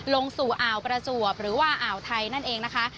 ลงสู่อ่าวประจวบหรือว่าอ่าวไทยนั่นเองนะคะ